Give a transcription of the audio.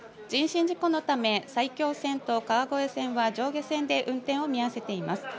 人身事故のため、埼京線と川越線は上下線で運転を見合わせています。